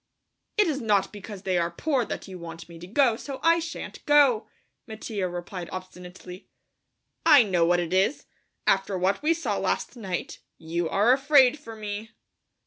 _" "It is not because they are poor that you want me to go, so I shan't go," Mattia replied obstinately. "I know what it is, after what we saw last night; you are afraid for me."